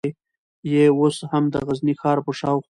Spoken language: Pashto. یې اوس هم د غزني د ښار په شاوخوا